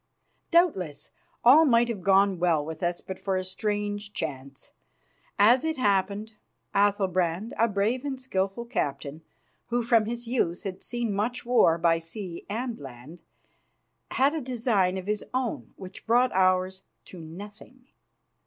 Doubtless all might have gone well with us but for a strange chance. As it happened, Athalbrand, a brave and skilful captain, who from his youth had seen much war by sea and land, had a design of his own which brought ours to nothing.